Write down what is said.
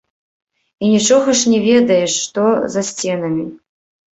І нічога ж не ведаеш што за сценамі.